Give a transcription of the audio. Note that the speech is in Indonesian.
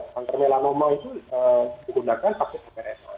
kanker melanoma itu digunakan pasti untuk kesehatan